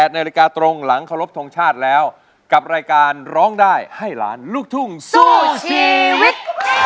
นาฬิกาตรงหลังเคารพทงชาติแล้วกับรายการร้องได้ให้ล้านลูกทุ่งสู้ชีวิต